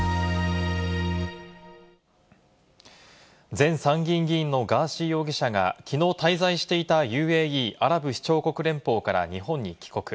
前参議院議員のガーシー容疑者がきのう滞在していたＵＡＥ＝アラブ首長国連邦から日本に帰国。